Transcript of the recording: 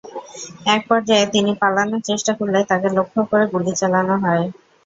একপর্যায়ে তিনি পালানোর চেষ্টা করলে তাঁকে লক্ষ্য করে গুলি চালানো হয়।